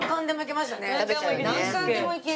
何貫でもいける。